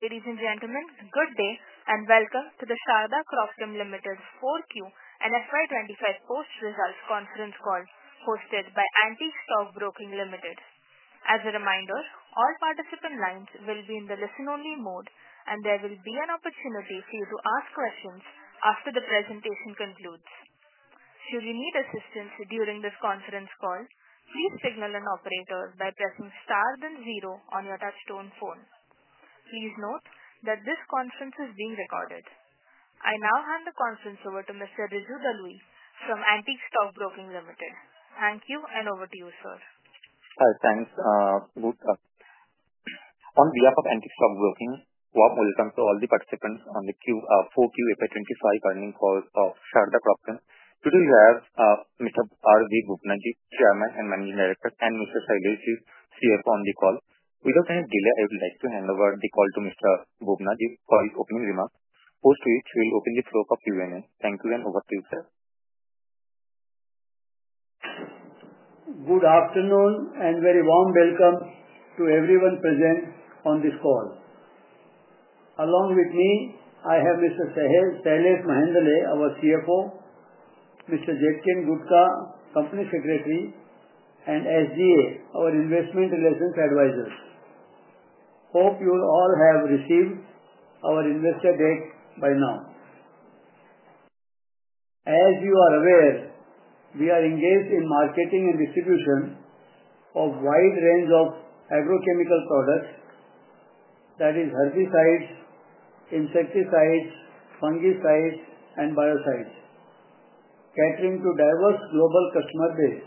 Ladies and gentlemen, good day and welcome to the Sharda Cropchem Ltd 4Q and FY 2025 post-results conference call hosted by Antique Stock Broking Ltd. As a reminder, all participant lines will be in the listen-only mode, and there will be an opportunity for you to ask questions after the presentation concludes. Should you need assistance during this conference call, please signal an operator by pressing star then zero on your touch-tone phone. Please note that this conference is being recorded. I now hand the conference over to Mr. Riju Dalui from Antique Stock Broking Ltd. Thank you, and over to you, sir. Hi, thanks. Good. On behalf of Antique Stock Broking, warm welcome to all the participants on the 4Q FY 2025 earning call of Sharda Cropchem. Today we have Mr. R. V. Bubna, Chairman and Managing Director, and Mr. Shailesh, CFO, on the call. Without any delay, I would like to hand over the call to Mr. Bubna with his opening remarks, post which we will open the floor for Q&A. Thank you, and over to you, sir. Good afternoon and very warm welcome to everyone present on this call. Along with me, I have Mr. Shailesh Mehendale, our CFO, Mr. Jetkin Gudhka, Company Secretary, and SGA, our Investment Relations Advisor. Hope you all have received our investor deck by now. As you are aware, we are engaged in marketing and distribution of a wide range of agrochemical products, that is, herbicides, insecticides, fungicides, and biocides, catering to a diverse global customer base.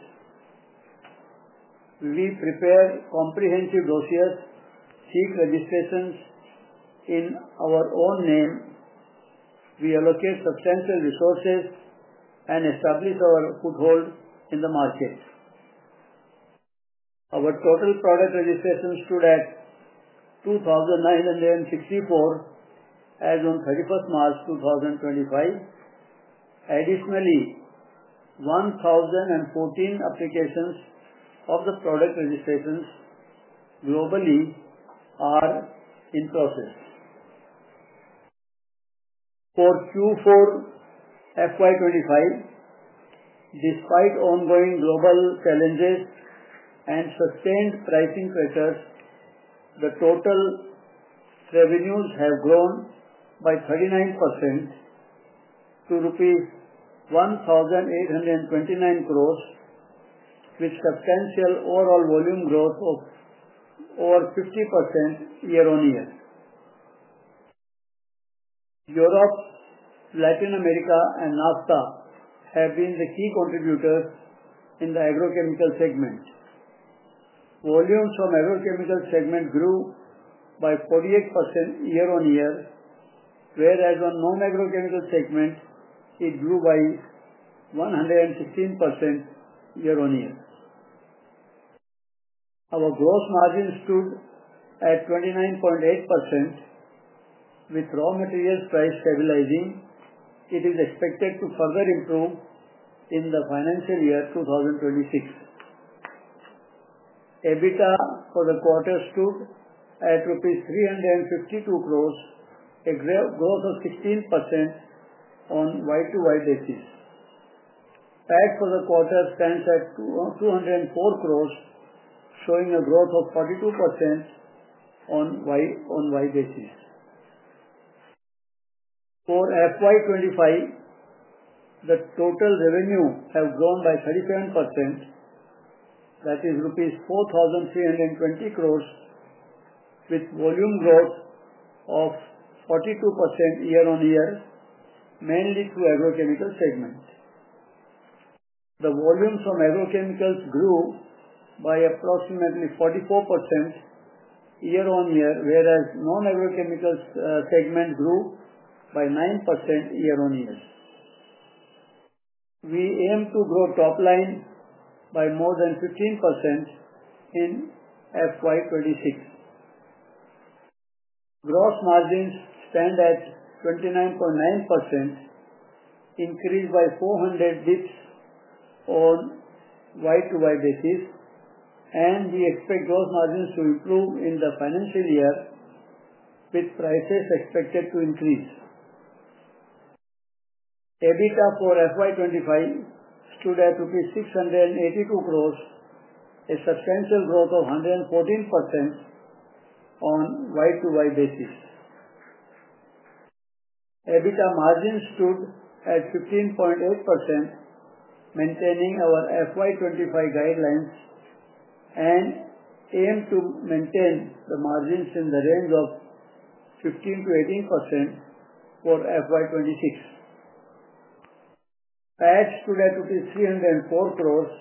We prepare comprehensive dossiers, seek registrations in our own name, we allocate substantial resources, and establish our foothold in the market. Our total product registrations stood at 2,964 as of 31st March 2025. Additionally, 1,014 applications of the product registrations globally are in process. For Q4 FY 2025, despite ongoing global challenges and sustained pricing pressures, the total revenues have grown by 39% to rupees 1,829 crore, with substantial overall volume growth of over 50% year-on-year. Europe, Latin America, and NAFTA have been the key contributors in the agrochemical segment. Volumes from the agrochemical segment grew by 48% year-on-year, whereas on the non-agrochemical segment, it grew by 116% year-on-year. Our gross margin stood at 29.8%, with raw materials price stabilizing. It is expected to further improve in the financial year 2026. EBITDA for the quarter stood at rupees 352 crore, a growth of 16% on Y-to-Y basis. PAT for the quarter stands at 204 crore, showing a growth of 42% on Y-on-Y basis. For FY 2025, the total revenue has grown by 37%, that is, rupees 4,320 crore, with volume growth of 42% year-on-year, mainly through the agrochemical segment. The volumes from agrochemicals grew by approximately 44% year-on-year, whereas the non-agrochemical segment grew by 9% year-on-year. We aim to grow top-line by more than 15% in FY 2026. Gross margins stand at 29.9%, increased by 400 bps on Y-to-Y basis, and we expect gross margins to improve in the financial year, with prices expected to increase. EBITDA for FY 2025 stood at 682 crore, a substantial growth of 114% on Y-to-Y basis. EBITDA margins stood at 15.8%, maintaining our FY 2025 guidelines, and aim to maintain the margins in the range of 15%-18% for FY 2026. PAT stood at INR 304 crore,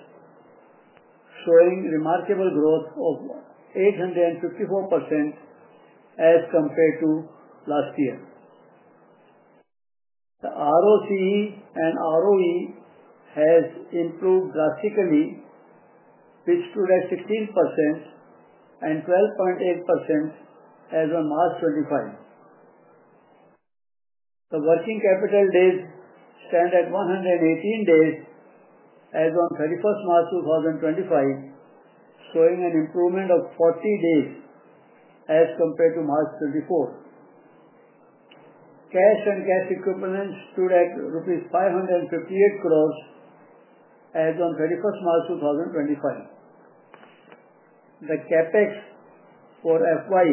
showing remarkable growth of 854% as compared to last year. The ROCE and ROE have improved drastically, which stood at 16% and 12.8% as of March 2025. The working capital days stand at 118 days as of 31 March 2025, showing an improvement of 40 days as compared to March 2024. Cash and cash equivalents stood at rupees 558 crore as of 31 March 2025. The CapEx for FY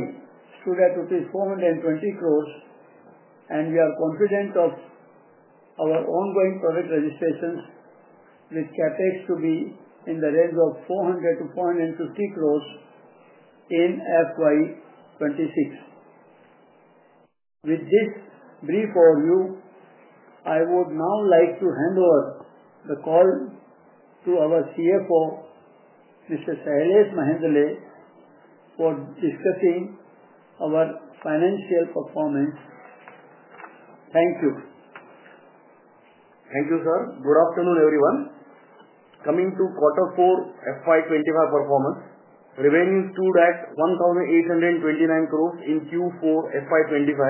stood at 420 crore, and we are confident of our ongoing product registrations, with CapEx to be in the range of 400 crore-450 crore in FY 2026. With this brief overview, I would now like to hand over the call to our CFO, Mr. Shailesh Mehendale, for discussing our financial performance. Thank you. Thank you, sir. Good afternoon, everyone. Coming to Q4 FY 2025 performance, revenues stood at 1,829 crore in Q4 FY 2025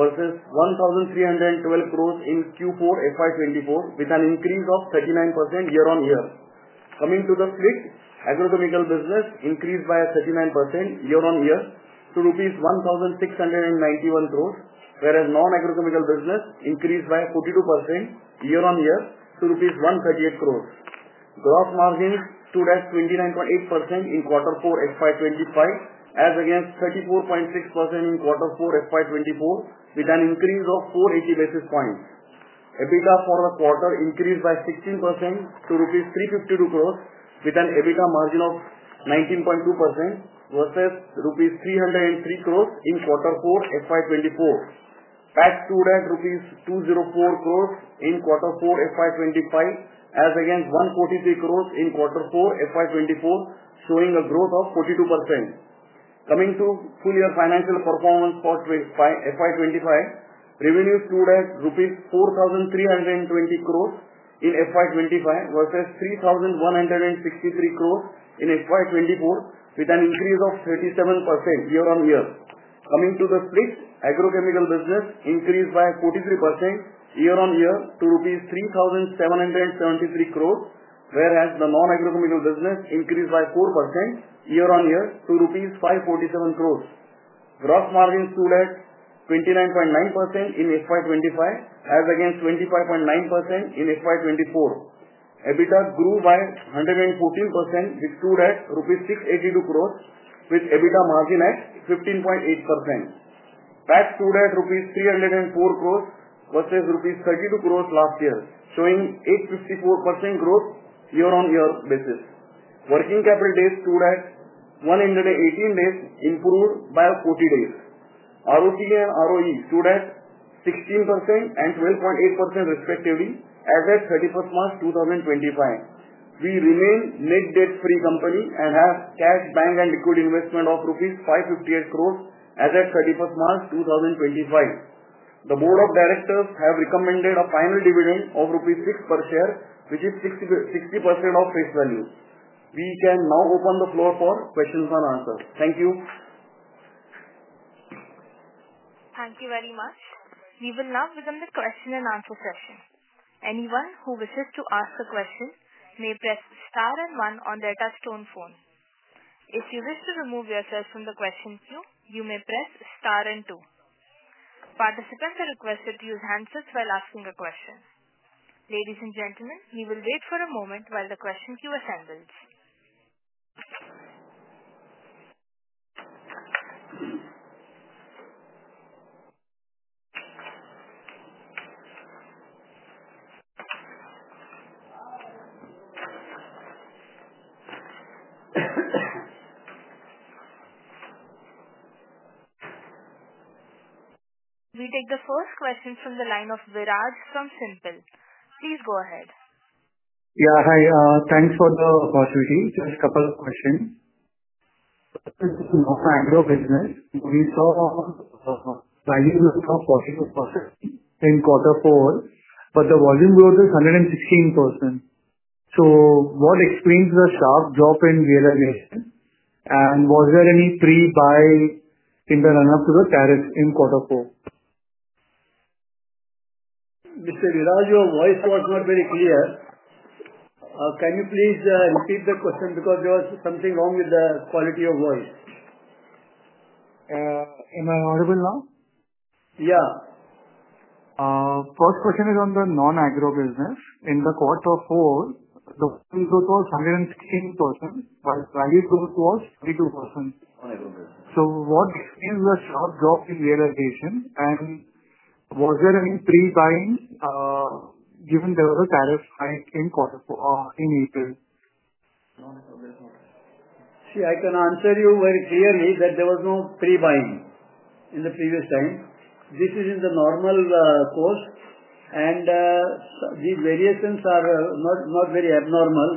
versus 1,312 crore in Q4 FY 2024, with an increase of 39% year-on-year. Coming to the split, agrochemical business increased by 39% year-on-year to rupees 1,691 crore, whereas non-agrochemical business increased by 42% year-on-year to INR 138 crore. Gross margins stood at 29.8% in Q4 FY 2025, as against 34.6% in Q4 FY 2024, with a decrease of 480 basis points. EBITDA for the quarter increased by 16% to rupees 352 crore, with an EBITDA margin of 19.2% versus rupees 303 crore in Q4 FY 2024. PAT stood at 204 crore rupees in Q4 FY 2025, as against 143 crore in Q4 FY 2024, showing a growth of 42%. Coming to full-year financial performance for FY 2025, revenues stood at rupees 4,320 crore in FY 2025 versus 3,163 crore in FY 2024, with an increase of 37% year-on-year. Coming to the split, agrochemical business increased by 43% year-on-year to rupees 3,773 crore, whereas the non-agrochemical business increased by 4% year-on-year to INR 547 crore. Gross margins stood at 29.9% in FY 2025, as against 25.9% in FY 2024. EBITDA grew by 114%, which stood at rupees 682 crore, with EBITDA margin at 15.8%. PAT stood at rupees 304 crore versus rupees 32 crore last year, showing 854% growth year-on-year basis. Working capital days stood at 118 days, improved by 40 days. ROCE and ROE stood at 16% and 12.8% respectively, as at 31st March 2025. We remain net debt-free company and have cash, bank, and liquid investment of 558 crore as at 31st March 2025. The Board of Directors have recommended a final dividend of 6 rupees per share, which is 60% of face value. We can now open the floor for questions and answers. Thank you. Thank you very much. We will now begin the question and answer session. Anyone who wishes to ask a question may press star and one on their touch-tone phone. If you wish to remove yourself from the question queue, you may press star and two. Participants are requested to use handsets while asking a question. Ladies and gentlemen, we will wait for a moment while the question queue assembles. We take the first question from the line of Viraj from SiMPL. Please go ahead. Yeah, hi. Thanks for the opportunity. Just a couple of questions. For agro business, we saw value of 42% in quarter four, but the volume growth is 116%. What explains the sharp drop in realization? Was there any pre-buy in the run-up to the tariffs in quarter four? Mr. Viraj, your voice was not very clear. Can you please repeat the question? Because there was something wrong with the quality of voice. Am I audible now? Yeah. First question is on the non-agro business. In quater four, the volume growth was 116%, but value growth was 42%. What explains the sharp drop in realization? Was there any pre-buying given there was a tariff hike in April? See, I can answer you very clearly that there was no pre-buying in the previous time. This is in the normal course, and these variations are not very abnormal.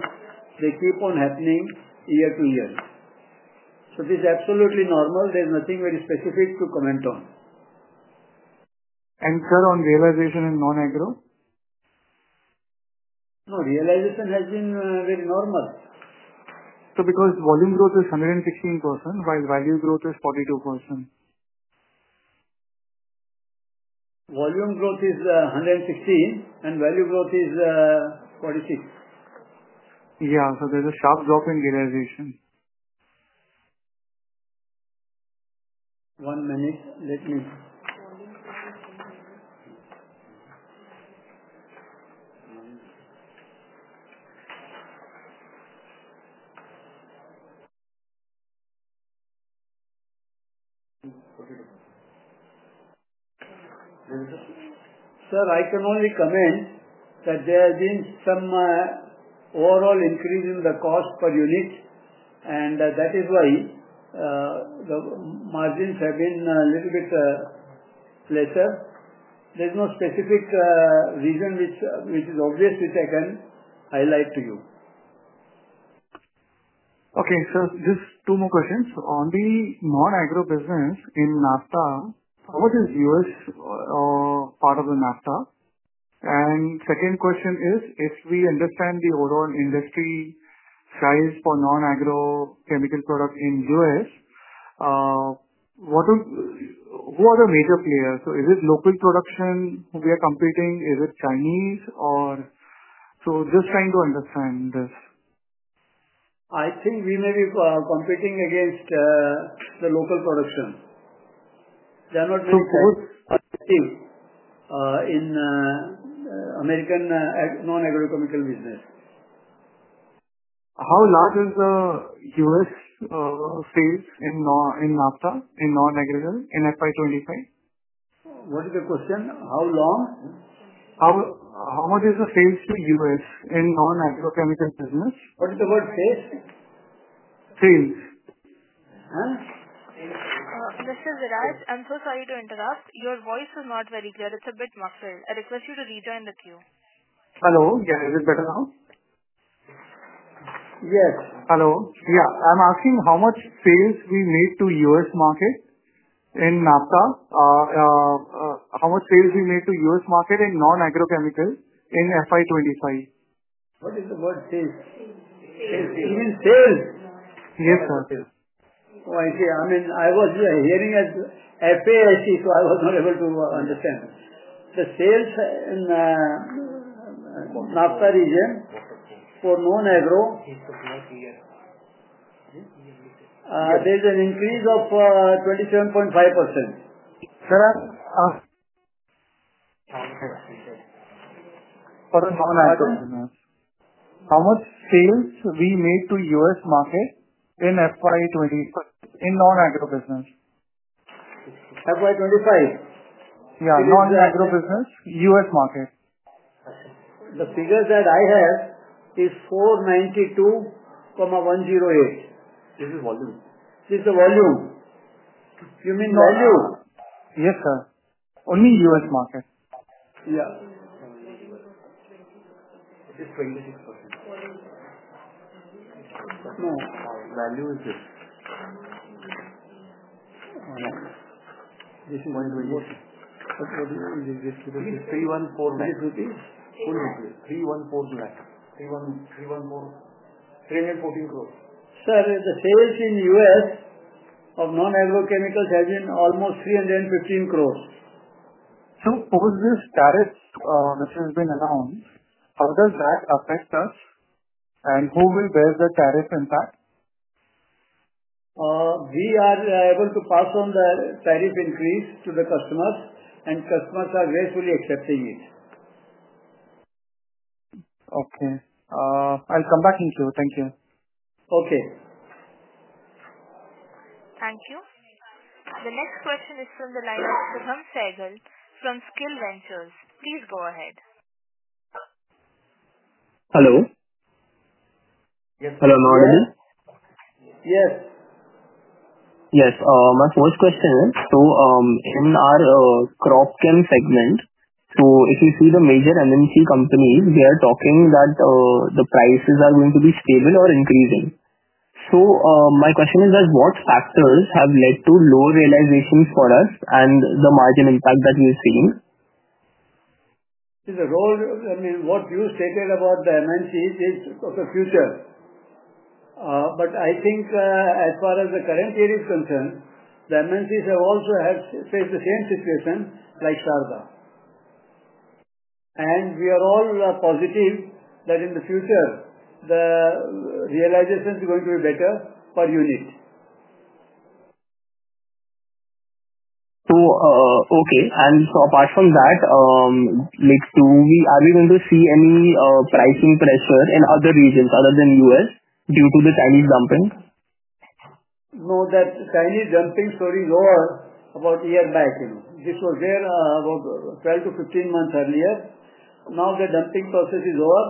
They keep on happening year-to-year. This is absolutely normal. There's nothing very specific to comment on. Sir, on realization in non-agro? No, realization has been very normal. Because volume growth is 116% while value growth is 42%? Volume growth is 116%, and value growth is 46%. Yeah, so there's a sharp drop in realization. One minute. Let me. Sir, I can only comment that there has been some overall increase in the cost per unit, and that is why the margins have been a little bit lesser. There is no specific reason which is obviously I can highlight to you. Okay, sir, just two more questions. On the non-agro business in NAFTA, how is U.S. part of the NAFTA? Second question is, if we understand the overall industry size for non-agrochemical products in U.S., who are the major players? Is it local production who we are competing? Is it Chinese? Just trying to understand this. I think we may be competing against the local production. They are not very active in American non-agrochemical business. How large is the U.S. sales in NAFTA in non-agro in FY 2025? What is the question? How long? How much is the sales to U.S. in non-agrochemical business? What is the word, sales? Sales. Mr. Viraj, I'm so sorry to interrupt. Your voice is not very clear. It's a bit muffled. I request you to rejoin the queue. Hello. Yeah, is it better now? Yes. Hello. Yeah. I'm asking how much sales we made to U.S. market in NAFTA, how much sales we made to U.S. market in non-agrochemical in FY 2025. What is the word, sales? Sales. Even sales. Yes, sir. Oh, I see. I mean, I was hearing as SGA, so I was not able to understand. The sales in NAFTA region for non-agro? There's an increase of 27.5%. Sir, how much sales we made to U.S. market in FY 2025 in non-agro business? FY 2025? Yeah, non-agro business, U.S. market. The figure that I have is 492 from 108. This is volume. This is the volume. You mean the volume? Yes, sir. Only U.S. market. Yeah. It is 26%. What now? Value is this. This is what you see? It is INR 314 crore. This is rupees? Full rupees. INR 314 lakh. 314. INR 314 crore. Sir, the sales in U.S. of non-agrochemicals have been almost 315 crore. Post this tariff, this has been announced, how does that affect us, and who will bear the tariff impact? We are able to pass on the tariff increase to the customers, and customers are gracefully accepting it. Okay. I'll come back in queue. Thank you. Okay. Thank you. The next question is from the line of Shubam Sehgal from Skill Ventures. Please go ahead. Hello. Yes. Hello. Now, ready? Yes. Yes. My first question is, in our crop chem segment, if you see the major MNC companies, they are talking that the prices are going to be stable or increasing. My question is, what factors have led to low realization for us and the margin impact that we're seeing? The role, I mean, what you stated about the MNCs is of the future. I think as far as the current year is concerned, the MNCs have also faced the same situation like Sharda. We are all positive that in the future, the realization is going to be better per unit. Okay. And so apart from that, are we going to see any pricing pressure in other regions other than U.S. due to the Chinese dumping? No, that Chinese dumping story is over about a year back. This was there about 12-15 months earlier. Now the dumping process is over,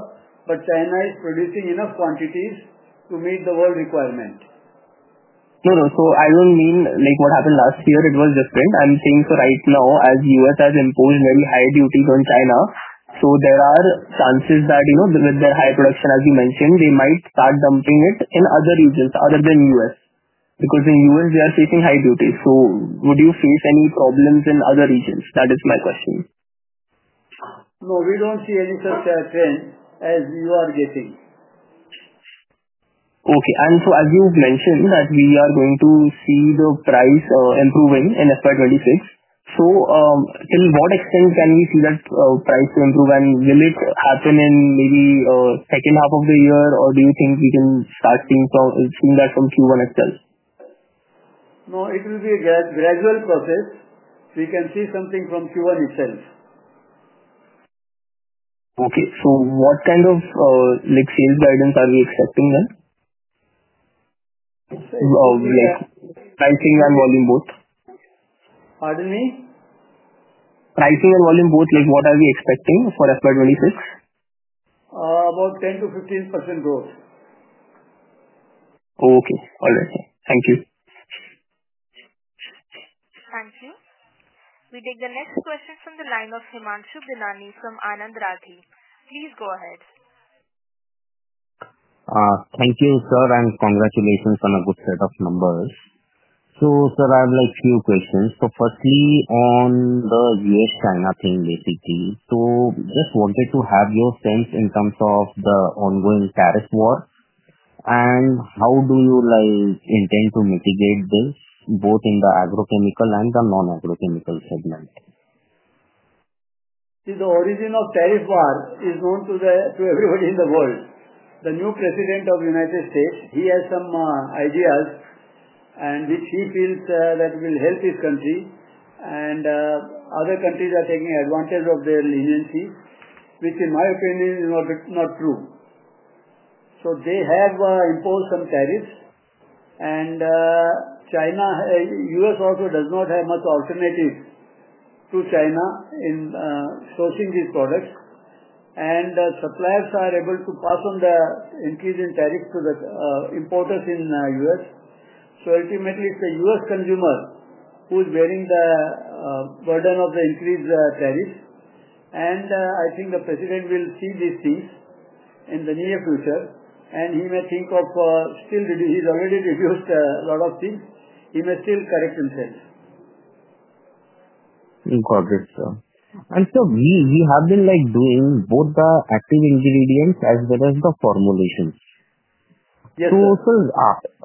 but China is producing enough quantities to meet the world requirement. No, no. I do not mean what happened last year. It was different. I am saying right now, as the U.S. has imposed very high duties on China, there are chances that with their high production, as you mentioned, they might start dumping it in other regions other than the U.S. Because in the U.S., they are facing high duties. Would you face any problems in other regions? That is my question. No, we don't see any such trend as you are getting. Okay. As you have mentioned that we are going to see the price improving in FY 2026, till what extent can we see that price improve? Will it happen in maybe the second half of the year, or do you think we can start seeing that from Q1 itself? No, it will be a gradual process. We can see something from Q1 itself. Okay. So what kind of sales guidance are we expecting then? Pricing and volume both? Pardon me? Pricing and volume both, what are we expecting for FY 2026? About 10%-15% growth. Okay. All right. Thank you. Thank you. We take the next question from the line of Himanshu Binani from Anand Rathi. Please go ahead. Thank you, sir, and congratulations on a good set of numbers. Sir, I have a few questions. Firstly, on the U.S.-China thing, basically, I just wanted to have your sense in terms of the ongoing tariff war, and how do you intend to mitigate this both in the agrochemical and the non-agrochemical segment? See, the origin of tariff war is known to everybody in the world. The new president of the United States, he has some ideas which he feels that will help his country, and other countries are taking advantage of their leniency, which in my opinion is not true. They have imposed some tariffs, and U.S. also does not have much alternative to China in sourcing these products, and suppliers are able to pass on the increase in tariffs to the importers in the U.S. Ultimately, it is the U.S. consumer who is bearing the burden of the increased tariffs, and I think the president will see these things in the near future, and he may think of still, he is already reduced a lot of things. He may still correct himself. Inquire, sir. Sir, we have been doing both the active ingredients as well as the formulations. Yes, sir.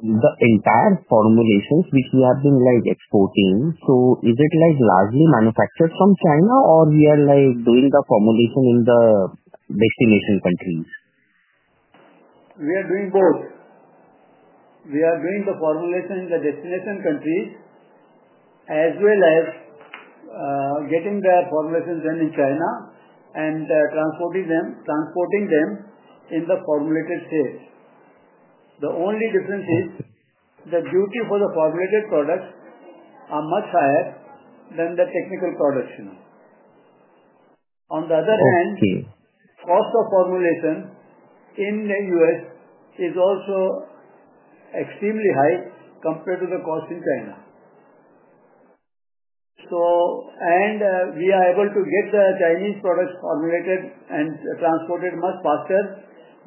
The entire formulations which we have been exporting, is it largely manufactured from China, or are we doing the formulation in the destination countries? We are doing both. We are doing the formulation in the destination countries as well as getting the formulations done in China and transporting them in the formulated state. The only difference is the duty for the formulated products are much higher than the technical products. On the other hand, cost of formulation in the U.S. is also extremely high compared to the cost in China. We are able to get the Chinese products formulated and transported much faster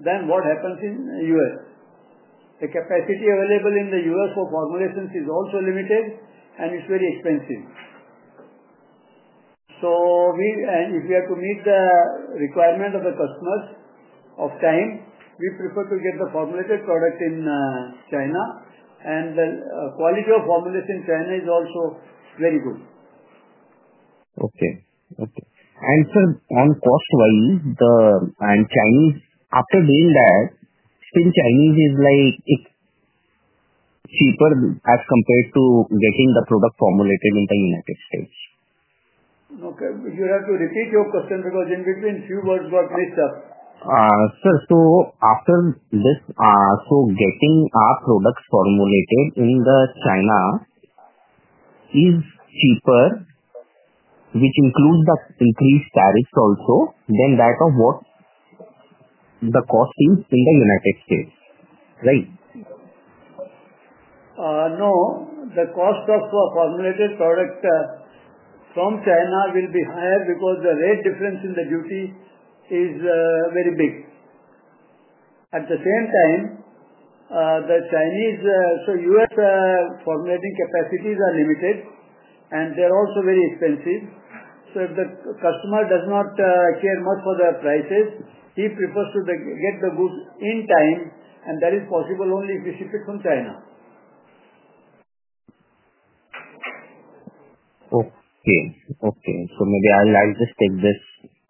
than what happens in the U.S. The capacity available in the U.S. for formulations is also limited, and it's very expensive. If we have to meet the requirement of the customers of time, we prefer to get the formulated product in China, and the quality of formulation in China is also very good. Okay. Okay. Sir, on cost-wise, the Chinese after doing that, still Chinese is cheaper as compared to getting the product formulated in the United States? Okay. You have to repeat your question because in between few words got mixed up. Sir, after this, getting our products formulated in China is cheaper, which includes the increased tariffs also, than what the cost is in the United States, right? No, the cost of formulated product from China will be higher because the rate difference in the duty is very big. At the same time, the Chinese or U.S. formulating capacities are limited, and they're also very expensive. If the customer does not care much for the prices, he prefers to get the goods in time, and that is possible only if he ship it from China. Okay. Okay. Maybe I'll just take this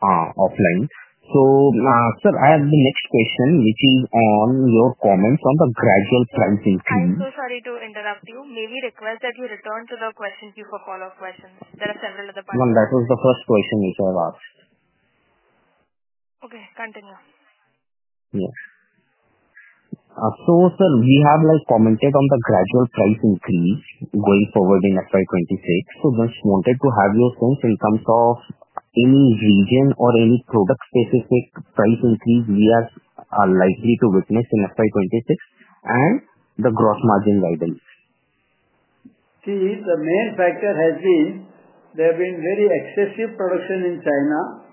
offline. Sir, I have the next question, which is on your comments on the gradual price increase. I'm so sorry to interrupt you. May we request that you return to the question queue for follow-up questions? There are several other questions. No, that was the first question which I asked. Okay. Continue. Yes. Sir, we have commented on the gradual price increase going forward in FY 2026. Just wanted to have your sense in terms of any region or any product-specific price increase we are likely to witness in FY 2026 and the gross margin guidance. See, the main factor has been there have been very excessive production in China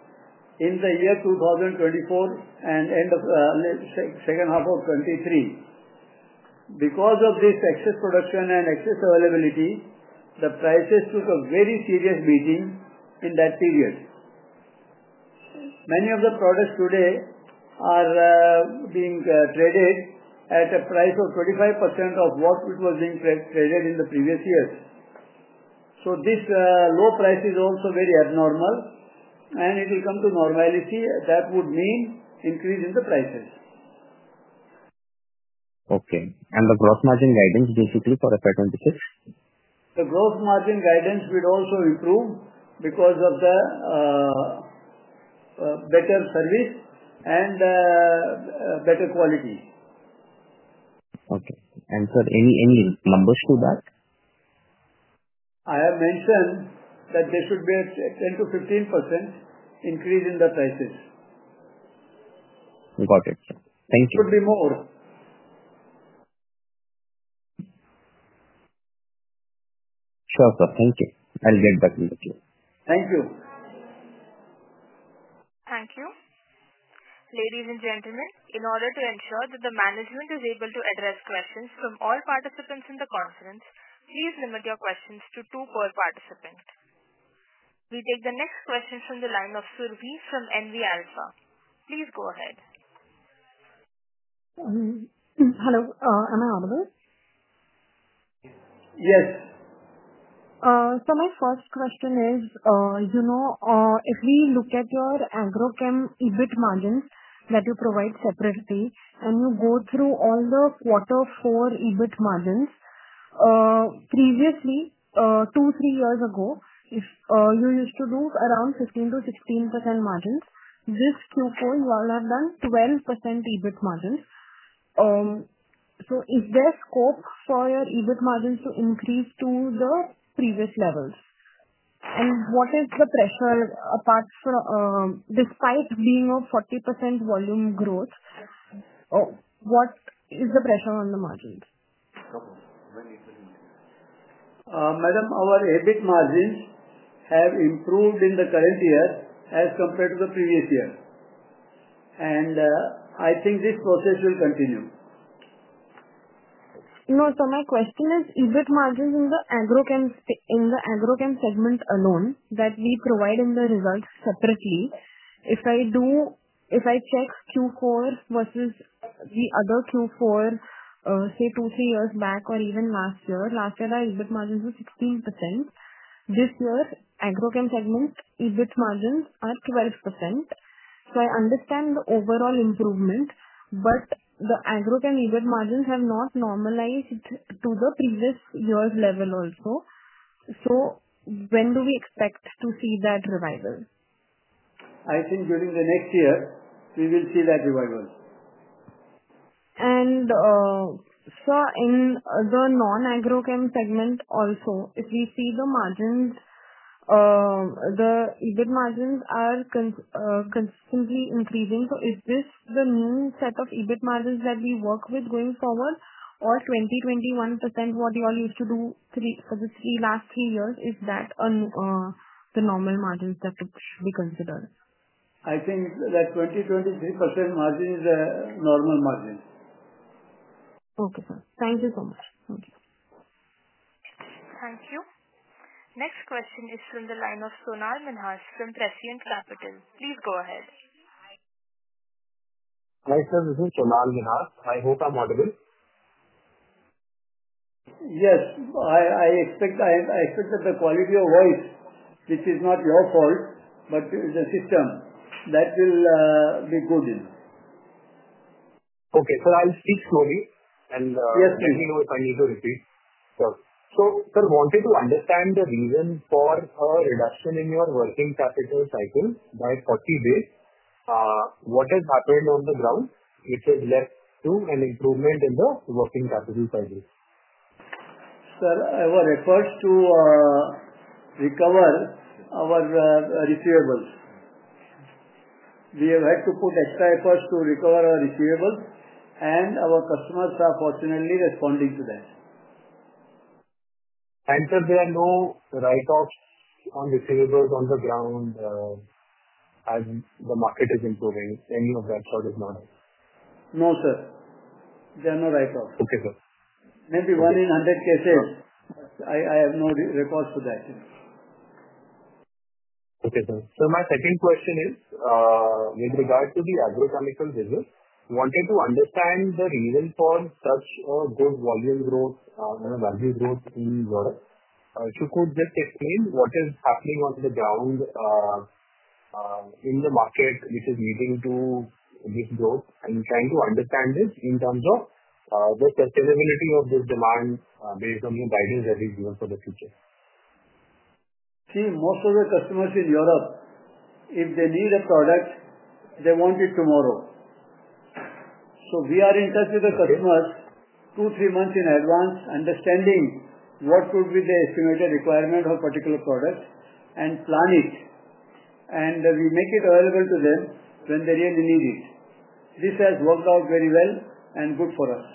in the year 2024 and end of second half of 2023. Because of this excess production and excess availability, the prices took a very serious beating in that period. Many of the products today are being traded at a price of 25% of what it was being traded in the previous years. This low price is also very abnormal, and it will come to normality. That would mean increase in the prices. Okay. The gross margin guidance basically for FY 2026? The gross margin guidance would also improve because of the better service and better quality. Okay. And sir, any numbers to that? I have mentioned that there should be a 10%-15% increase in the prices. Got it. Thank you. It could be more. Sure, sir. Thank you. I'll get back in the queue. Thank you. Thank you. Ladies and gentlemen, in order to ensure that the management is able to address questions from all participants in the conference, please limit your questions to two per participant. We take the next question from the line of Surabhi from NV Alpha. Please go ahead. Hello. Am I audible? Yes. My first question is, if we look at your agrochem EBIT margins that you provide separately, and you go through all the quarter four EBIT margins, previously, two, three years ago, you used to do around 15%-16% margins. This Q4, you all have done 12% EBIT margins. Is there scope for your EBIT margins to increase to the previous levels? What is the pressure despite being a 40% volume growth? What is the pressure on the margins? Madam, our EBIT margins have improved in the current year as compared to the previous year. I think this process will continue. No, so my question is, EBIT margins in the agrochem segment alone that we provide in the results separately, if I check Q4 versus the other Q4, say two, three years back or even last year, last year, the EBIT margins were 16%. This year, agrochem segment EBIT margins are 12%. I understand the overall improvement, but the agrochem EBIT margins have not normalized to the previous year's level also. When do we expect to see that revival? I think during the next year, we will see that revival. Sir, in the non-agrochem segment also, if we see the margins, the EBIT margins are consistently increasing. Is this the new set of EBIT margins that we work with going forward, or 20%-21% what you all used to do for the last three years? Is that the normal margins that should be considered? I think that 20%-23% margin is a normal margin. Okay, sir. Thank you so much. Thank you. Next question is from the line of Sonal Minhas from Prescient Capital. Please go ahead. Hi, sir. This is Sonal Minhaj. I hope I'm audible. Yes. I expect that the quality of voice, which is not your fault, but the system, that will be good. Okay. I'll speak slowly, and let me know if I need to repeat. Sir, wanted to understand the reason for a reduction in your working capital cycle by 40 days. What has happened on the ground, which has led to an improvement in the working capital cycle? Sir, our efforts to recover our receivables. We have had to put extra efforts to recover our receivables, and our customers are fortunately responding to that. Sir, there are no write-offs on receivables on the ground as the market is improving. Any of that sort is not. No, sir. There are no write-offs. Okay, sir. Maybe one in 100 cases, but I have no records for that. Okay, sir. So my second question is, with regard to the agrochemical business, wanted to understand the reason for such a good volume growth and value growth in Europe. If you could just explain what is happening on the ground in the market, which is leading to this growth, and trying to understand this in terms of the sustainability of this demand based on your guidance that is given for the future. See, most of the customers in Europe, if they need a product, they want it tomorrow. We are in touch with the customers two, three months in advance, understanding what would be the estimated requirement of a particular product and plan it, and we make it available to them when they really need it. This has worked out very well and good for us.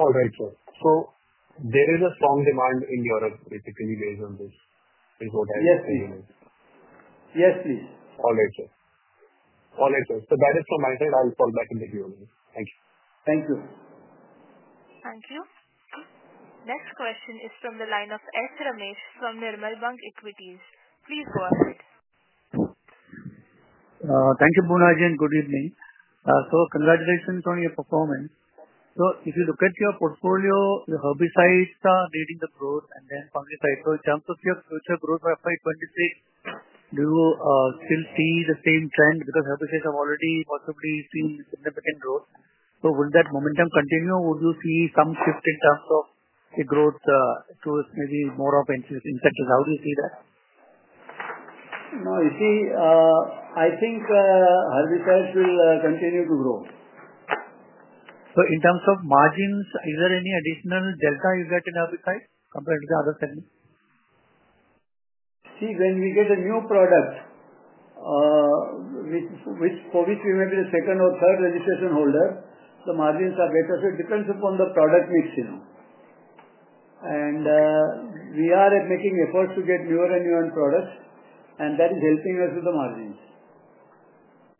All right, sir. There is a strong demand in Europe, basically, based on this, is what I understand. Yes. Yes, please. All right, sir. That is from my side. I'll call back in the queue again. Thank you. Thank you. Thank you. Next question is from the line of S. Ramesh from Nirmal Bang Equities. Please go ahead. Thank you, Poonajan. Good evening. Congratulations on your performance. If you look at your portfolio, your herbicides are leading the growth and then fungicides. In terms of your future growth for FY 2026, do you still see the same trend? Herbicides have already possibly seen significant growth. Will that momentum continue, or would you see some shift in terms of the growth towards maybe more of insecticides? How do you see that? No. You see, I think herbicides will continue to grow. In terms of margins, is there any additional delta you get in herbicides compared to the other segment? See, when we get a new product, for which we may be the second or third registration holder, the margins are better. It depends upon the product mix. We are making efforts to get newer and newer products, and that is helping us with the margins.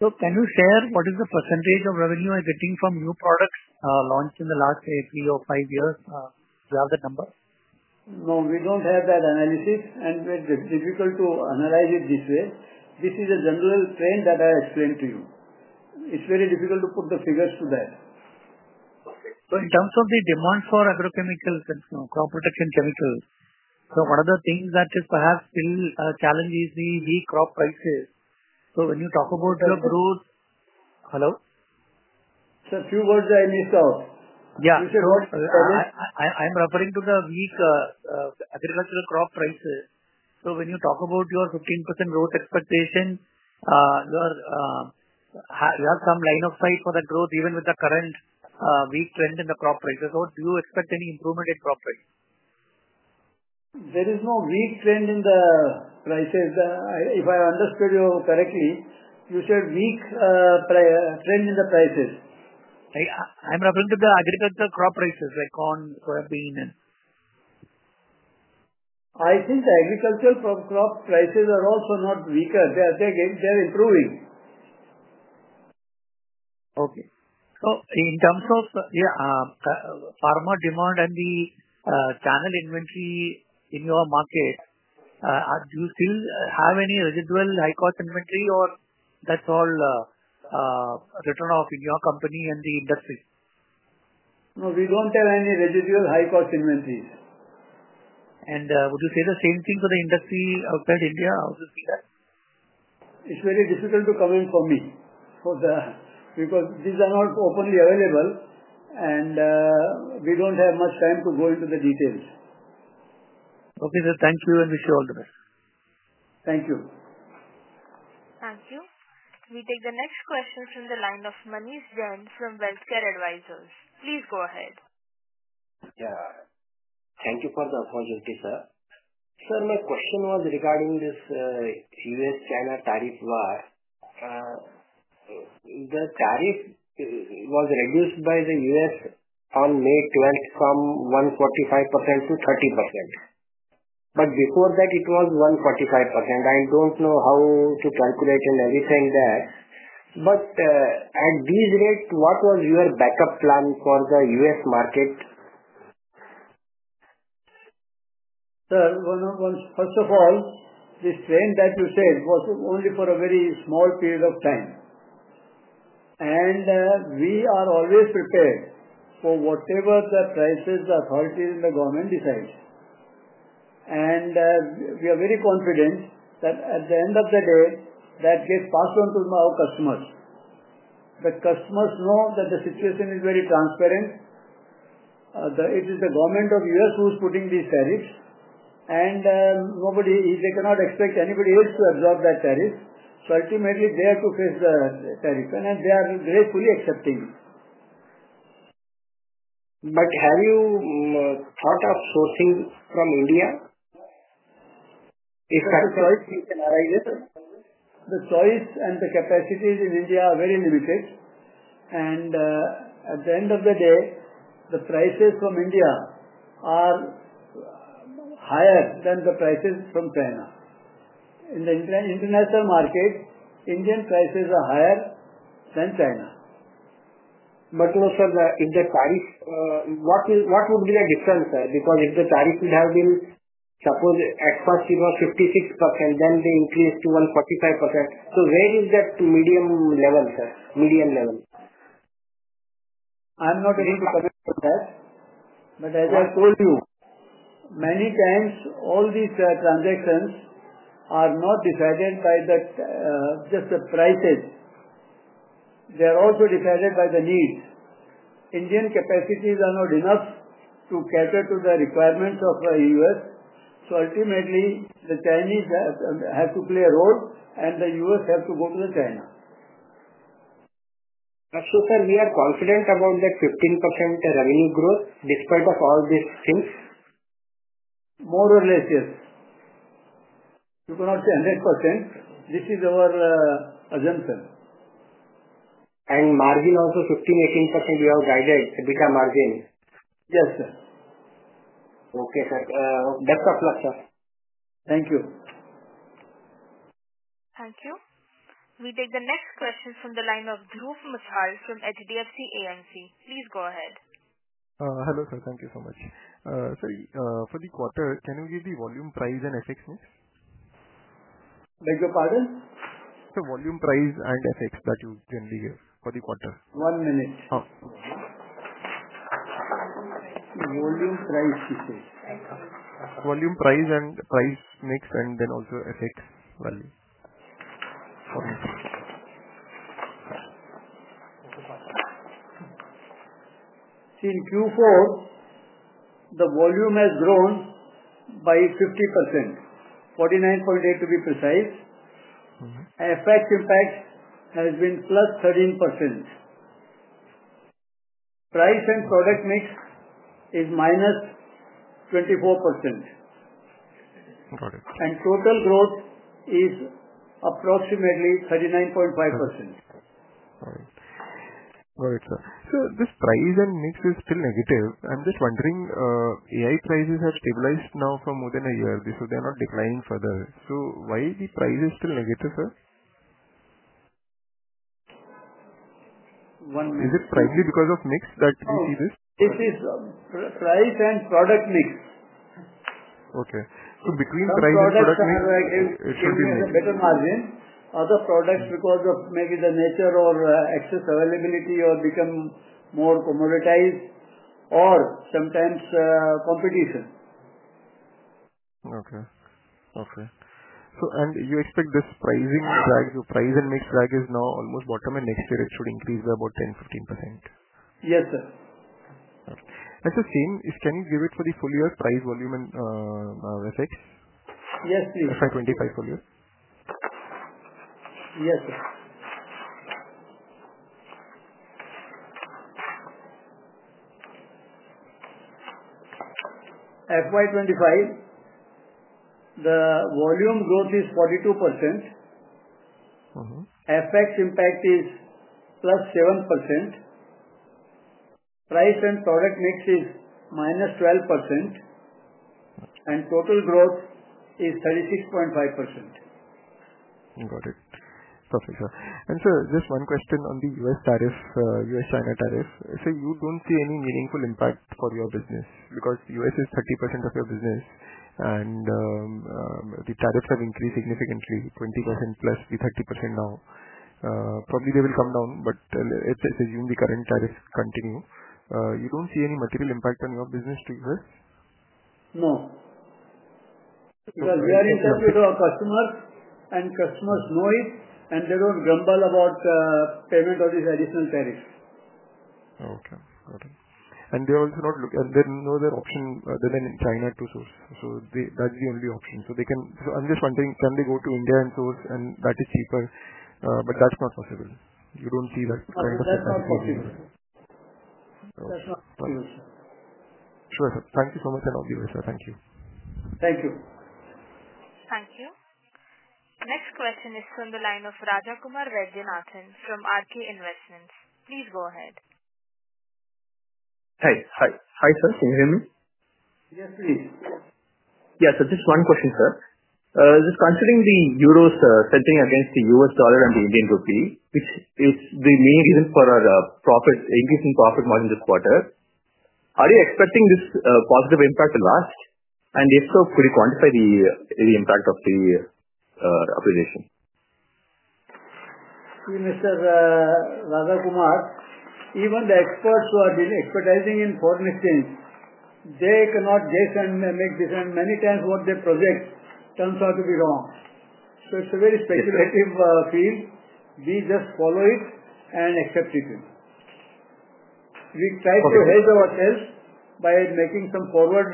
Can you share what is the percentage of revenue you are getting from new products launched in the last three or five years? Do you have that number? No, we don't have that analysis, and it's difficult to analyze it this way. This is a general trend that I explained to you. It's very difficult to put the figures to that. Okay. So in terms of the demand for agrochemicals, crop protection chemicals, one of the things that is perhaps still challenges is the weak crop prices. When you talk about your growth. Sir. Hello? Sir, a few words I missed out. You said what? I'm referring to the weak agricultural crop prices. When you talk about your 15% growth expectation, you have some line of sight for that growth even with the current weak trend in the crop prices. Do you expect any improvement in crop prices? There is no weak trend in the prices. If I understood you correctly, you said weak trend in the prices. I'm referring to the agricultural crop prices, like corn, soybean, and. I think the agricultural crop prices are also not weaker. They're improving. Okay. So in terms of, yeah, farmer demand and the channel inventory in your market, do you still have any residual high-cost inventory, or that's all returned off in your company and the industry? No, we don't have any residual high-cost inventories. Would you say the same thing for the industry outside India? How do you see that? It's very difficult to comment for me because these are not openly available, and we don't have much time to go into the details. Okay, sir. Thank you, and wish you all the best. Thank you. Thank you. We take the next question from the line of Manish Jain from WellCare Advisors. Please go ahead. Yeah. Thank you for the opportunity, sir. Sir, my question was regarding this U.S.-China tariff war. The tariff was reduced by the U.S. on May 12th from 145%-30%. Before that, it was 145%. I do not know how to calculate and everything that. At these rates, what was your backup plan for the U.S. market? Sir, first of all, this trend that you said was only for a very small period of time. We are always prepared for whatever the prices the authorities in the government decide. We are very confident that at the end of the day, that gets passed on to our customers. The customers know that the situation is very transparent. It is the government of the U.S. who is putting these tariffs, and they cannot expect anybody else to absorb that tariff. Ultimately, they have to face the tariff, and they are gracefully accepting it. Have you thought of sourcing from India? The choice and the capacities in India are very limited. At the end of the day, the prices from India are higher than the prices from China. In the international market, Indian prices are higher than China. No, sir, if the tariff, what would be the difference, sir? Because if the tariff would have been, suppose at first it was 56%, then they increased to 145%. Where is that medium level, sir? Median level? I'm not able to comment on that. As I told you, many times, all these transactions are not decided by just the prices. They are also decided by the needs. Indian capacities are not enough to cater to the requirements of the U.S. Ultimately, the Chinese have to play a role, and the U.S. have to go to China. Sir, we are confident about that 15% revenue growth despite all these things? More or less, yes. You cannot say 100%. This is our assumption. Margin also 15%-18% you have guided EBITDA margin. Yes, sir. Okay, sir. Best of luck, sir. Thank you. Thank you. We take the next question from the line of Dhruv Muchhal from HDFC AMC. Please go ahead. Hello, sir. Thank you so much. Sir, for the quarter, can you give the volume, price, and FX, mix? Beg your pardon? Sir, volume, price, and FX that you generally give for the quarter. One minute. Volume, price, mix. Volume, price, and price mix, and then also FX value. See, in Q4, the volume has grown by 50%, 49.8% to be precise. FX impact has been +13%. Price and product mix is minus 24%. Got it. Total growth is approximately 39.5%. All right. Got it, sir. Sir, this price and mix is still negative. I'm just wondering, AI prices have stabilized now for more than a year. So they are not declining further. So why is the price still negative, sir? One minute. Is it probably because of mix that we see this? This is price and product mix. Okay. So between price and product mix, it should be mix. There is a better margin. Other products, because of maybe the nature or excess availability or become more commoditized or sometimes competition. Okay. Okay. You expect this pricing flag or price and mix flag is now almost bottom, and next year, it should increase by about 10%-15%? Yes, sir. Sir, same, can you give it for the full year price, volume, and FX? Yes, please. FY 2025 full year? Yes, sir. FY 2025, the volume growth is 42%. FX impact is +7%. Price and product mix is -12%. Total growth is 36.5%. Got it. Perfect, sir. Sir, just one question on the U.S. tariff, U.S.-China tariff. Sir, you do not see any meaningful impact for your business because the U.S. is 30% of your business, and the tariffs have increased significantly, 20% plus the 30% now. Probably they will come down, but let's assume the current tariffs continue. You do not see any material impact on your business figures? No. Because we are in touch with our customers, and customers know it, and they do not grumble about payment of these additional tariffs. Okay. Got it. They are also not looking and there is no other option other than in China to source. That is the only option. I'm just wondering, can they go to India and source, and that is cheaper, but that's not possible. You don't see that kind of a tariff? That's not possible. That's not possible, sir. Sure, sir. Thank you so much and all the best, sir. Thank you. Thank you. Thank you. Next question is from the line of Rajakumar Vaidyanathan from RK Investments. Please go ahead. Hi. Hi, sir. Can you hear me? Yes, please. Yeah, sir, just one question, sir. Just considering the euro centering against the U.S. dollar and the Indian rupee, which is the main reason for our increasing profit margin this quarter, are you expecting this positive impact to last? If so, could you quantify the impact of the appreciation? See, Mr. Rajakumar, even the experts who are expertising in foreign exchange, they cannot guess and make decisions many times what their project turns out to be wrong. It is a very speculative field. We just follow it and accept it. We try to hedge ourselves by making some forward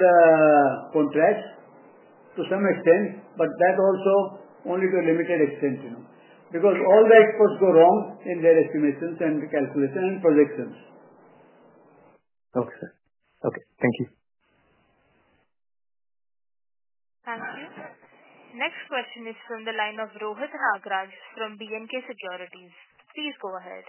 contracts to some extent, but that also only to a limited extent because all the experts go wrong in their estimations and calculations and projections. Okay, sir. Okay. Thank you. Thank you. Next question is from the line of Rohit Nagraj from B&K Securities. Please go ahead.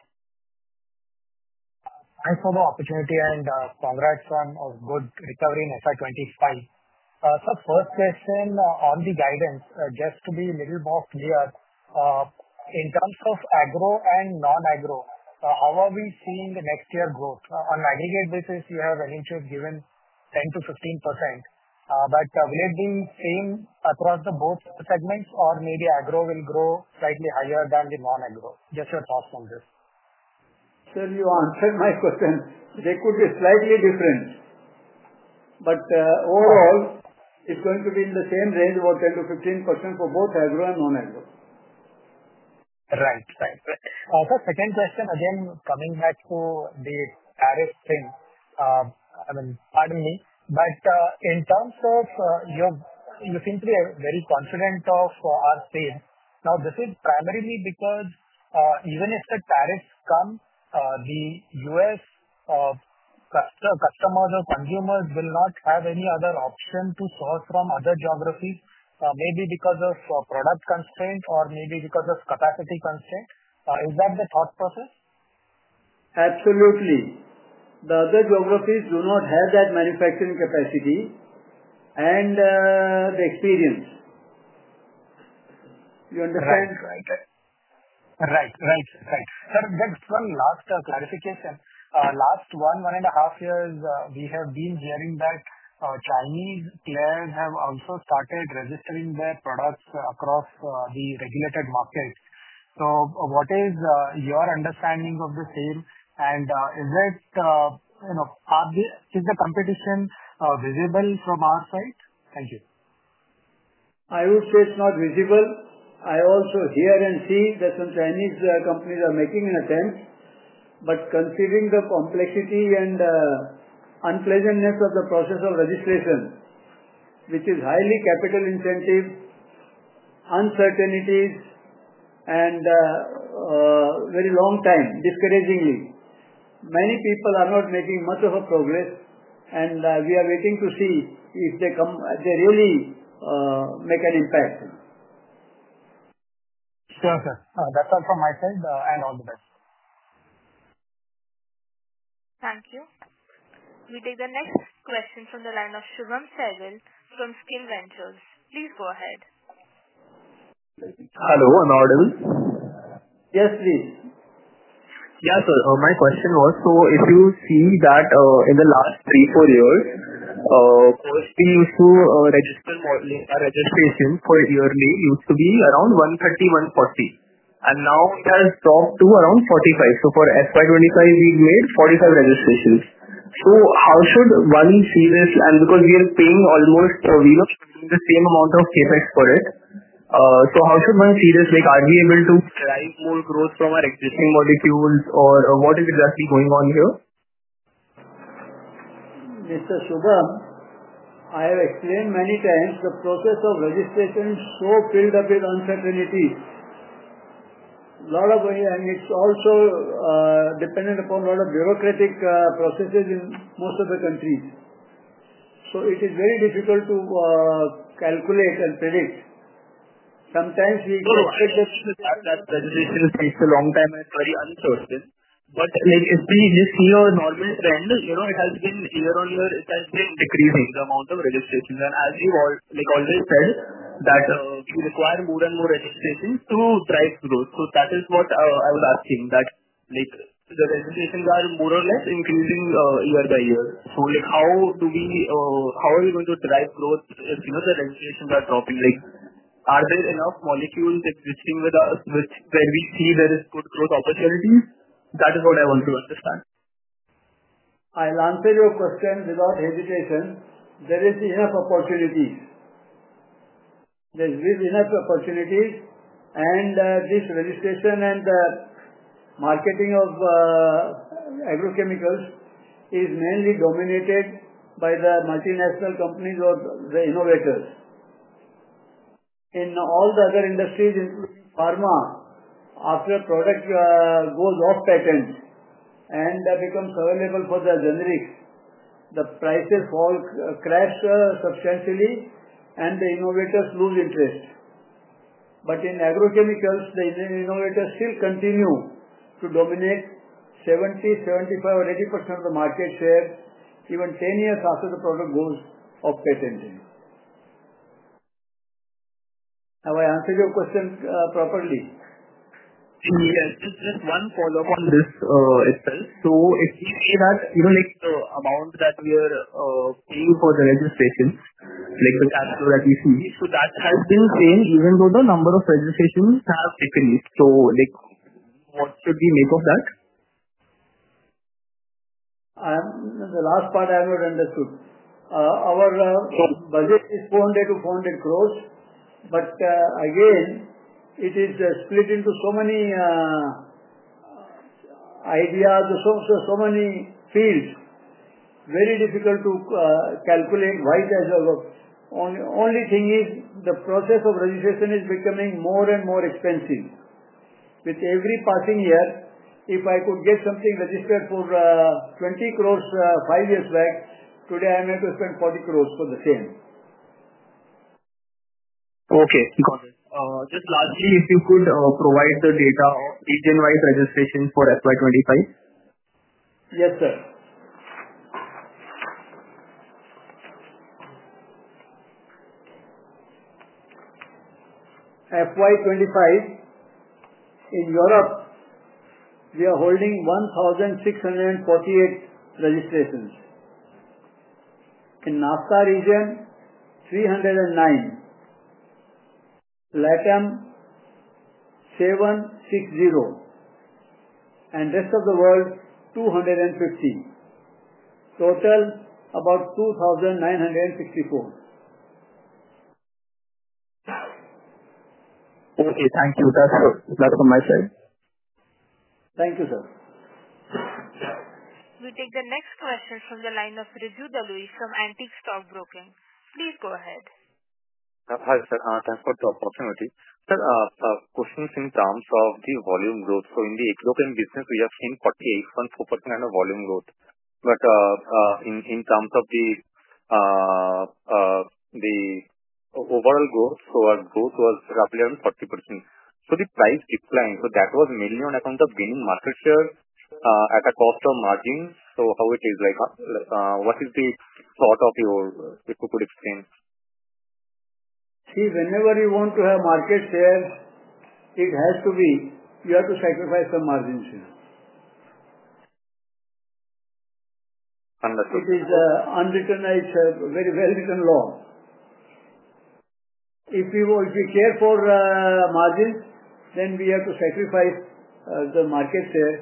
Thanks for the opportunity and congrats on a good recovery in FY 2025. Sir, first question on the guidance, just to be a little more clear, in terms of agro and non-agro, how are we seeing the next year growth? On aggregate basis, you have an interest given 10%-15%. But will it be same across the both segments, or maybe agro will grow slightly higher than the non-agro? Just your thoughts on this. Sir, you answered my question. They could be slightly different. Overall, it's going to be in the same range of 10%-15% for both agro and non-agro. Right. Right. Sir, second question, again, coming back to the tariff thing. I mean, pardon me. But in terms of you seem to be very confident of our state. Now, this is primarily because even if the tariffs come, the U.S. customers or consumers will not have any other option to source from other geographies, maybe because of product constraint or maybe because of capacity constraint. Is that the thought process? Absolutely. The other geographies do not have that manufacturing capacity and the experience. You understand? Right. Sir, just one last clarification. Last one, one and a half years, we have been hearing that Chinese players have also started registering their products across the regulated markets. What is your understanding of the same? Is the competition visible from our side? Thank you. I would say it's not visible. I also hear and see that some Chinese companies are making an attempt. Considering the complexity and unpleasantness of the process of registration, which is highly capital intensive, uncertainties, and very long time, discouragingly, many people are not making much of a progress. We are waiting to see if they really make an impact. Sure, sir. That's all from my side. All the best. Thank you. We take the next question from the line of Shubham Sehgil from Skill Ventures. Please go ahead. Hello. Another deal. Yes, please. Yeah, sir. My question was, if you see that in the last three, four years, first, we used to register for yearly, it used to be around 130-140. Now it has dropped to around 45. For FY 2025, we've made 45 registrations. How should one see this? Because we are paying almost the same amount of CapEx for it, how should one see this? Are we able to drive more growth from our existing molecules, or what is exactly going on here? Mr. Shubham, I have explained many times the process of registration is so filled up with uncertainty. It is also dependent upon a lot of bureaucratic processes in most of the countries. It is very difficult to calculate and predict. Sometimes we. That registration takes a long time and it's very uncertain. If we just see our normal trend, it has been year on year, it has been decreasing, the amount of registrations. As you always said, we require more and more registrations to drive growth. That is what I was asking, that the registrations are more or less increasing year by year. How are we going to drive growth if the registrations are dropping? Are there enough molecules existing with us where we see there is good growth opportunities? That is what I want to understand. I'll answer your question without hesitation. There is enough opportunity. This registration and the marketing of agrochemicals is mainly dominated by the multinational companies or the innovators. In all the other industries, including pharma, after a product goes off patent and becomes available for the generics, the prices fall, crash substantially, and the innovators lose interest. In agrochemicals, the innovators still continue to dominate 70%, 75%, or 80% of the market share, even 10 years after the product goes off patent. Have I answered your question properly? Yes. Just one follow-up on this itself. If we say that the amount that we are paying for the registrations, the cash flow that we see, that has been the same, even though the number of registrations have decreased. What should we make of that? The last part I have not understood. Our budget is 200 crore to 400 crore, but again, it is split into so many ideas, so many fields. Very difficult to calculate why it has over. Only thing is the process of registration is becoming more and more expensive. With every passing year, if I could get something registered for 20 crore five years back, today I am able to spend 40 crore for the same. Okay. Got it. Just lastly, if you could provide the data of region-wide registrations for FY 2025. Yes, sir. FY 2025, in Europe, we are holding 1,648 registrations. In NAFTA region, 309. LATAM, 760. And rest of the world, 250. Total about 2,964. Okay. Thank you. That's all from my side. Thank you, sir. We take the next question from the line of Riju Dalui from Antique Stock Broking. Please go ahead. Hi, sir. Thanks for the opportunity. Sir, question is in terms of the volume growth. In the agrochem business, we have seen 48.4% kind of volume growth. In terms of the overall growth, our growth was roughly around 40%. The price declined. That was mainly on account of gaining market share at a cost of margins. How is it? What is the thought of your if you could explain? See, whenever you want to have market share, it has to be you have to sacrifice some margins. Understood. It is an unwritten right, a very well-written law. If we care for margins, then we have to sacrifice the market share.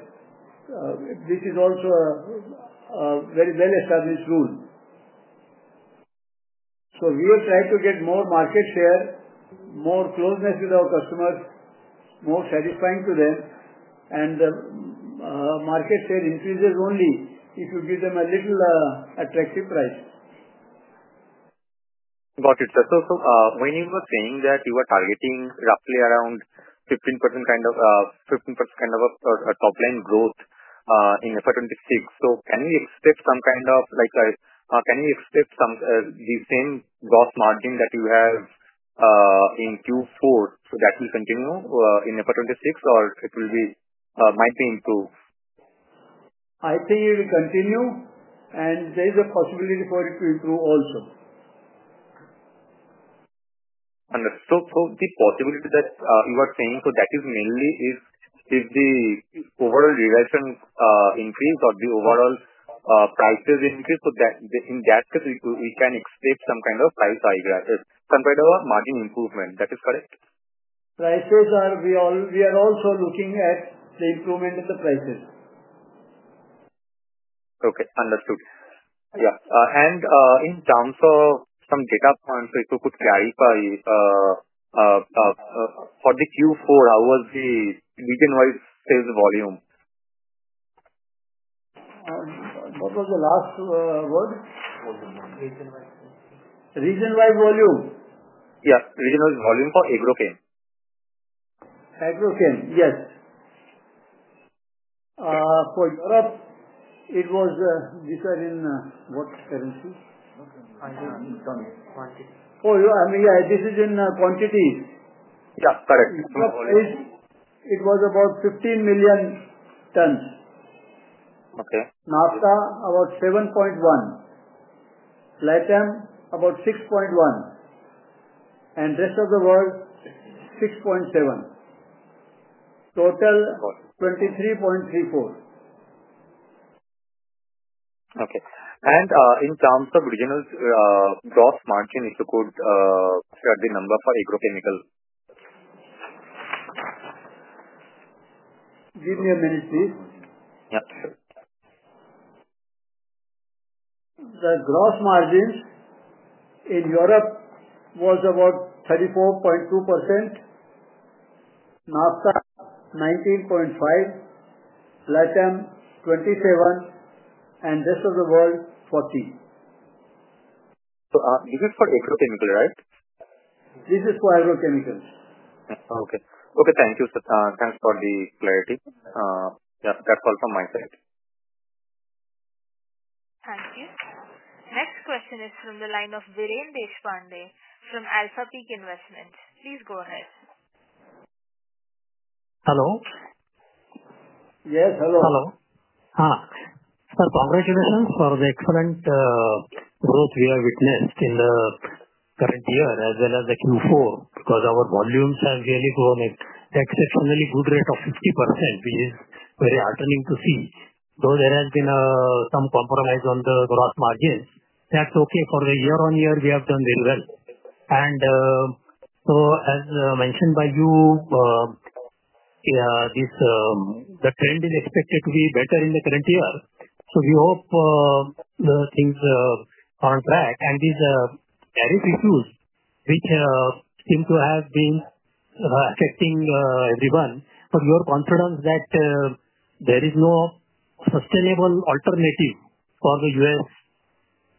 This is also a very well-established rule. We have tried to get more market share, more closeness with our customers, more satisfying to them. Market share increases only if you give them a little attractive price. Got it, sir. When you were saying that you were targeting roughly around 15% kind of top-line growth in FY 2026, can we expect some kind of, can we expect the same gross margin that you have in Q4, so that will continue in FY 2026, or it might be improved? I think it will continue, and there is a possibility for it to improve also. Understood. So the possibility that you are saying, so that is mainly if the overall regression increase or the overall prices increase, in that case, we can expect some kind of price compared to a margin improvement. That is correct? Prices are, we are also looking at the improvement in the prices. Okay. Understood. Yeah. In terms of some data points, if you could clarify, for the Q4, how was the region-wide sales volume? What was the last word? Region-wide. Region-wide volume. Yeah. Region-wide volume for agrochem? Agrochem, yes. For Europe, it was this was in what currency? Quantity. Oh, yeah. This is in quantities. Yeah. Correct. It was about 15 million tons. Okay. NAFTA, about 7.1. LATAM, about 6.1. Rest of the world, 6.7. Got it. Total, 23.34. Okay. In terms of regional gross margin, if you could share the number for agrochemical. Give me a minute, please. Yeah. Sure. The gross margins in Europe was about 34.2%. NAFTA, 19.5%. LATAM, 27%. And rest of the world, 40%. This is for agrochemical, right? This is for agrochemicals. Okay. Okay. Thank you, sir. Thanks for the clarity. Yeah. That's all from my side. Thank you. Next question is from the line of Viren Deshpande from Alphapeak Investments. Please go ahead. Hello. Yes. Hello. Hello. Sir, congratulations for the excellent growth we have witnessed in the current year as well as the Q4 because our volumes have really grown at an exceptionally good rate of 50%, which is very heartening to see. Though there has been some compromise on the gross margins, that's okay. For the year on year, we have done very well. As mentioned by you, the trend is expected to be better in the current year. We hope the things are on track. These tariff issues, which seem to have been affecting everyone, but your confidence that there is no sustainable alternative for the U.S.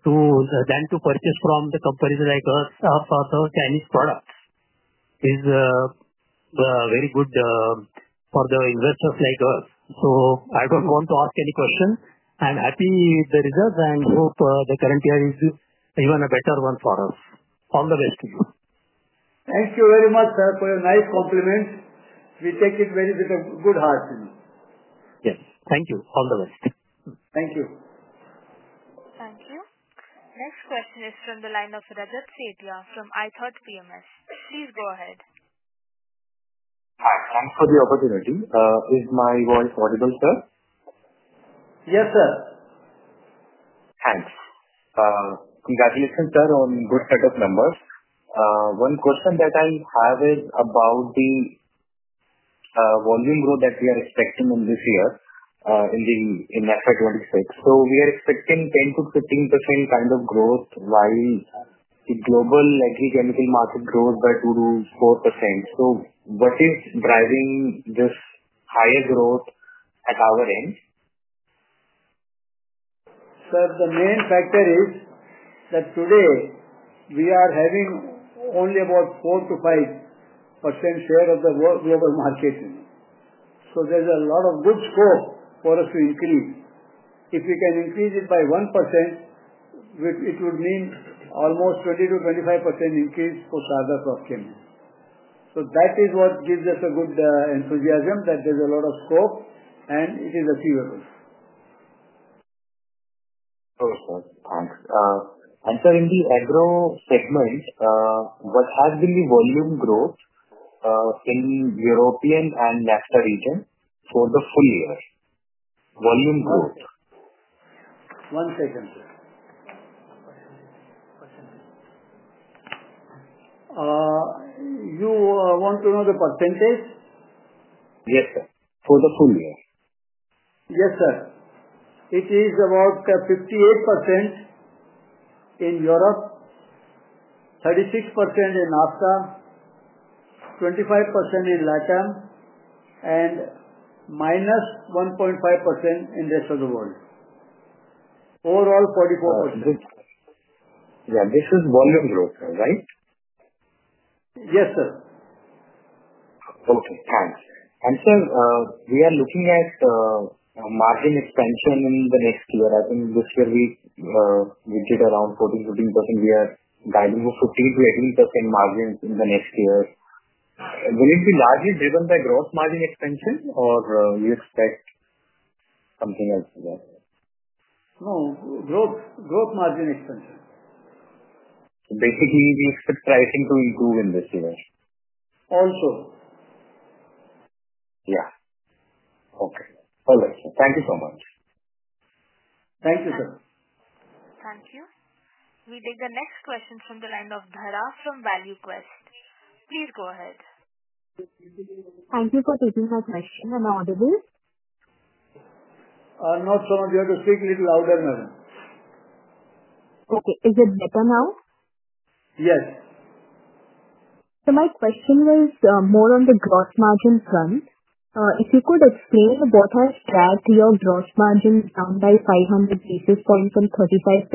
than to purchase from companies like us or other Chinese products is very good for the investors like us. I don't want to ask any question. I'm happy with the results and hope the current year is even a better one for us. All the best to you. Thank you very much, sir, for your nice compliment. We take it with a good heart. Yes. Thank you. All the best. Thank you. Thank you. Next question is from the line of Rajat Setiya from ithought PMS. Please go ahead. Hi. Thanks for the opportunity. Is my voice audible, sir? Yes, sir. Thanks. Congratulations, sir, on a good set of numbers. One question that I have is about the volume growth that we are expecting in this year in FY 2026. We are expecting 10%-15% kind of growth while the global agrochemical market grows by 2%-4%. What is driving this higher growth at our end? Sir, the main factor is that today we are having only about 4%-5% share of the global market. So there's a lot of good scope for us to increase. If we can increase it by 1%, it would mean almost 20%-25% increase for Sharda Cropchem. So that is what gives us a good enthusiasm that there's a lot of scope, and it is achievable. Thanks. Sir, in the agro segment, what has been the volume growth in European and NAFTA region for the full year? Volume growth. One second, sir. You want to know the percentage%? Yes, sir. For the full year. Yes, sir. It is about 58% in Europe, 36% in NAFTA, 25% in LATAM, and -1.5% in the rest of the world. Overall, 44%. Yeah. This is volume growth, right? Yes, sir. Okay. Thanks. Sir, we are looking at margin expansion in the next year. I think this year we did around 14%-15%. We are guiding for 15%-18% margins in the next year. Will it be largely driven by gross margin expansion, or you expect something else? No. Growth margin expansion. Basically, we expect pricing to improve in this year. Also. Yeah. Okay. All right. Thank you so much. Thank you, sir. Thank you. We take the next question from the line of Dhara from ValueQuest. Please go ahead. Thank you for taking my question. Am I audible? Not so much. You have to speak a little louder, madam. Okay. Is it better now? Yes. My question was more on the gross margin front. If you could explain what has dragged your gross margin down by 500 basis points from 35%-29%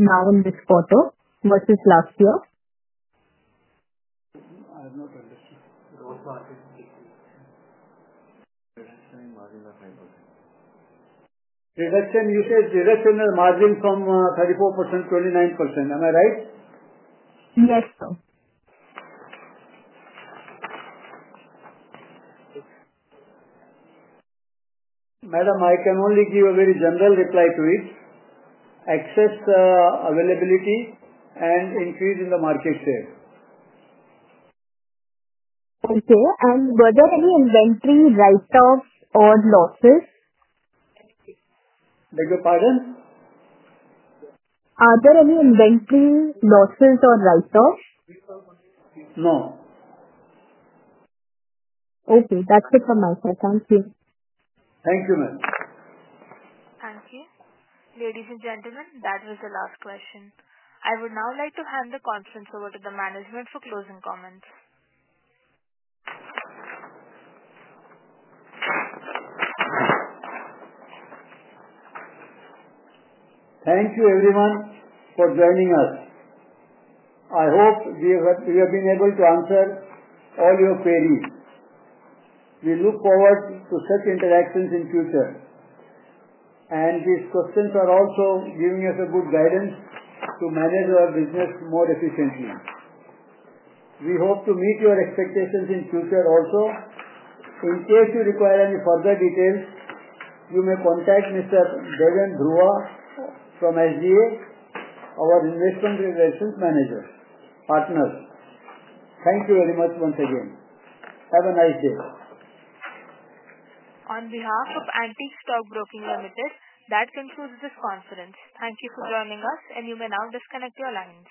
now in this quarter versus last year? I have not understood. Gross margin decrease. Reduction in margin by 5%. Reduction. You said reduction in margin from 34%-29%. Am I right? Yes, sir. Madam, I can only give a very general reply to it. Excess availability and increase in the market share. Okay. Were there any inventory write-offs or losses? Pardon? Are there any inventory losses or write-offs? No. Okay. That's it from my side. Thank you. Thank you, ma'am. Thank you. Ladies and gentlemen, that was the last question. I would now like to hand the conference over to the management for closing comments. Thank you, everyone, for joining us. I hope we have been able to answer all your queries. We look forward to such interactions in the future. These questions are also giving us a good guidance to manage our business more efficiently. We hope to meet your expectations in the future also. In case you require any further details, you may contact Mr. Deven Dhruva from SGA, our Investor Relations manager, partners. Thank you very much once again. Have a nice day. On behalf of Antique Stock Broking Ltd, that concludes this conference. Thank you for joining us, and you may now disconnect your line.